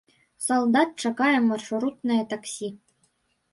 Салдат чакае маршрутнае таксі.